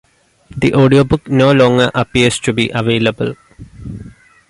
The audiobook no longer appears to be available.